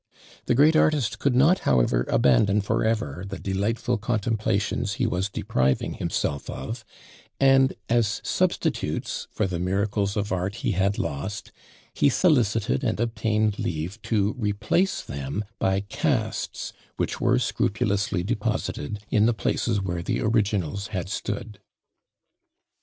The great artist could not, however, abandon for ever the delightful contemplations he was depriving himself of; and as substitutes for the miracles of art he had lost, he solicited and obtained leave to replace them by casts which were scrupulously deposited in the places where the originals had stood.